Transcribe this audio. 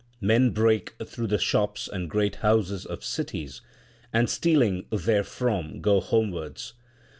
Men break through the shops and great houses of cities and stealing therefrom go homewards.